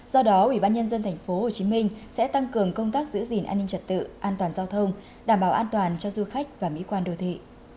do đó ủy ban nhân dân tp hcm sẽ tăng cường công tác giữ gìn an ninh trật tự an toàn giao thông đảm bảo an toàn cho du khách và mỹ quan đô thị